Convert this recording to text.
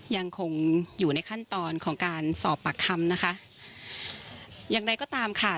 ยังคงอยู่ในขั้นตอนของการสอบปากคำนะคะอย่างไรก็ตามค่ะ